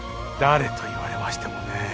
誰と言われましてもね。